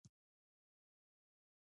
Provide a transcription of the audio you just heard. زما زړه درد کوي.